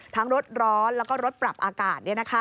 รถร้อนแล้วก็รถปรับอากาศ